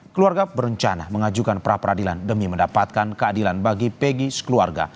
keluarga berencana mengajukan pra peradilan demi mendapatkan keadilan bagi pegi sekeluarga